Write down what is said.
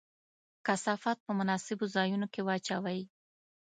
کثافات په مناسبو ځایونو کې واچوئ.